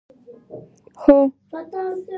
هوه